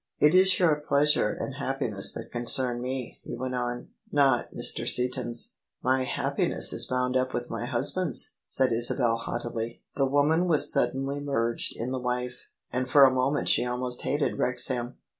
" It is your pleasure and happiness that concern me," he went on: "not Mr. Seaton's." " My happiness is boimd up with my husband's," said Isabel haughtily. The woman was suddenly merged in the wife, and for a moment she almost hated Wrexham.